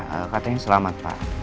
iya katanya selamat pak